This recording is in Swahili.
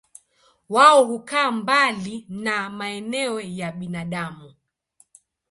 Wao hukaa mbali na maeneo ya binadamu.